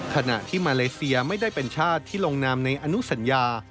ขณะที่มาเลเซียไม่ได้เป็นชาติที่ลงนามในอนุสัญญา